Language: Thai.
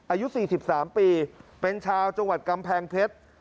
อายุ๔๓ปีเป็นชาวจังหวัดกำแพงเพชร